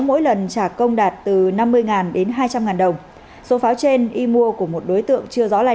mỗi lần trả công đạt từ năm mươi đến hai trăm linh đồng số pháo trên y mua của một đối tượng chưa rõ lây